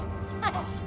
woi ini gue imah